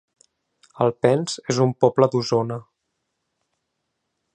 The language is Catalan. Alpens es un poble d'Osona